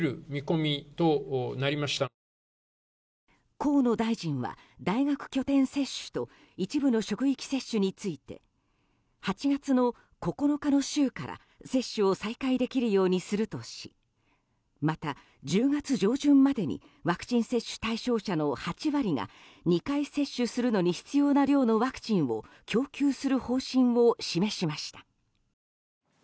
河野大臣は大学拠点接種と一部の職域接種について８月の９日の週から接種を再開できるようにするとしまた、１０月上旬までにワクチン接種対象者の８割が２回接種するのに必要な量のワクチンを供給する方針を示しました。